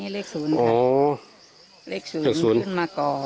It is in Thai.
เลข๐ขึ้นมาก่อน